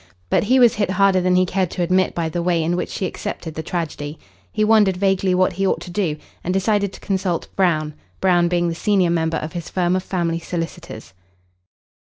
But he was hit harder than he cared to admit by the way in which she accepted the tragedy. He wondered vaguely what he ought to do, and decided to consult Brown Brown being the senior member of his firm of family solicitors.